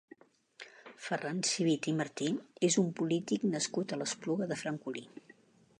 Ferran Civit i Martí és un polític nascut a l'Espluga de Francolí.